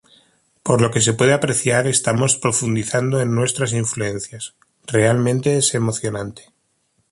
Por lo que se puede apreciar, estamos profundizando en nuestras influencias, realmente es emocionante".